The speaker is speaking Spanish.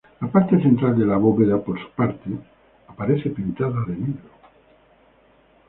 La parte central de la bóveda, por su parte, aparece pintada de negro.